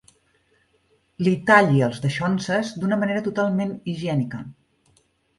Li talli els daixonses d'una manera totalment higiènica.